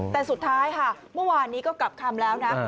แต่สุดท้ายค่ะเมื่อวานนี้ก็กลับคำแล้วนะ